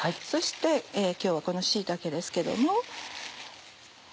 そして今日はこの椎茸ですけども。